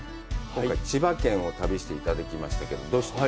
今回は千葉県を旅していただきましたけれども、どうして？